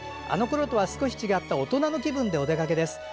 あのころとは少し違った大人の気分でお出かけです。